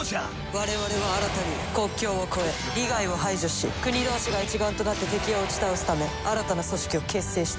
我々は新たに国境を超え利害を排除し国同士が一丸となって敵を打ち倒すため新たな組織を結成した。